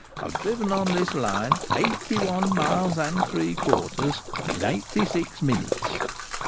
I've driven on this Line, eighty one miles and three quarters, in eighty six minutes.